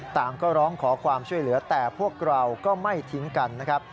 ต่างก็ร้องขอความช่วยเหลือแต่พวกเราก็ไม่ทิ้งกันนะครับ